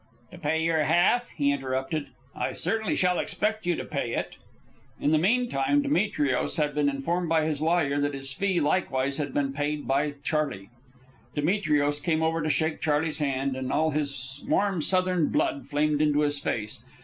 "To pay your half?" he interrupted. "I certainly shall expect you to pay it." In the meantime Demetrios had been informed by his lawyer that his fee likewise had been paid by Charley. Demetrios came over to shake Charley's hand, and all his warm Southern blood flamed in his face.